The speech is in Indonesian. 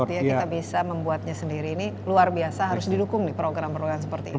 kita bisa membuatnya sendiri ini luar biasa harus didukung nih program program seperti ini